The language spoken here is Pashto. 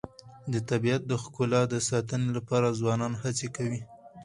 د طبیعت د ښکلا د ساتنې لپاره ځوانان هڅې کوي.